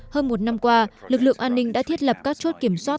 hơn một năm qua lực lượng an ninh đã thiết lập các chốt kiểm soát